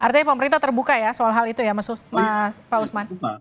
artinya pemerintah terbuka ya soal hal itu ya pak usman